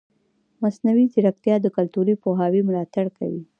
مصنوعي ځیرکتیا د کلتوري پوهاوي ملاتړ کوي.